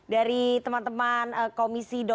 dari teman teman komisi co